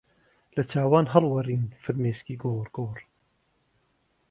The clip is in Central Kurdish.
لە چاوان هەڵوەرین فرمێسکی گوڕگوڕ